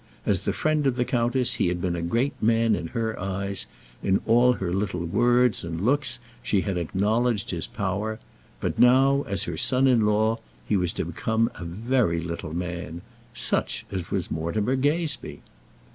As the friend of the countess he had been a great man in her eyes; in all her little words and looks she had acknowledged his power; but now, as her son in law, he was to become a very little man, such as was Mortimer Gazebee!